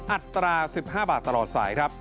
อัตรา๑๕บาทตลอดสายครับ